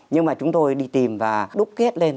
nhưng mà chúng tôi đi tìm và đúc kết lên